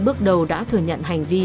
bước đầu đã thừa nhận hành vi